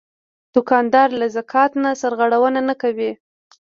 دوکاندار له زکات نه سرغړونه نه کوي.